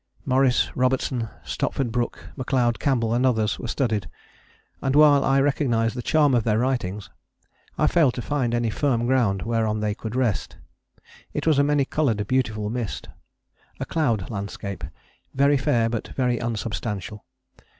Maurice, Robertson, Stopford Brooke, McLeod, Campbell, and others, were studied; and while I recognised the charm of their writings, I failed to find any firm ground whereon they could rest: it was a many colored beautiful mist a cloud landscape, very fair, but very unsubstantial.